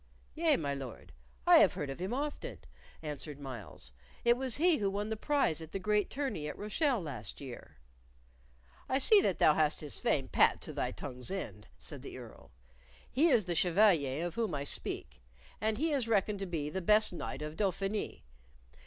"Yea, my Lord. I have heard of him often," answered Myles. "It was he who won the prize at the great tourney at Rochelle last year." "I see that thou hast his fame pat to thy tongue's end," said the Earl; "he is the chevalier of whom I speak, and he is reckoned the best knight of Dauphiny.